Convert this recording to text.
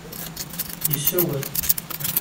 Yessawel.